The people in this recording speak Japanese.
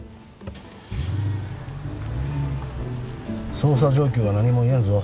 捜査状況は何も言えんぞ。